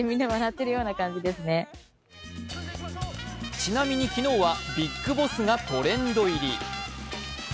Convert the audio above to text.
ちなみに昨日は「ビッグボス」がトレンド入り。